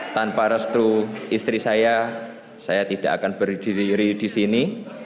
tanpa restu istri saya saya tidak akan berdiri di sini